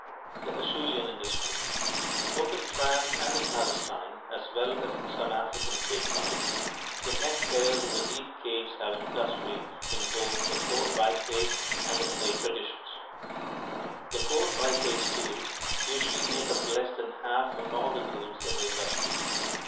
THE ACHEULEAN INDUSTRY Both in France and in Palestine, as well as in some African cave sites, the next layers in the deep caves have an industry in both the core biface and the flake traditions. The core biface tools usually make up less than half of all the tools in the industry.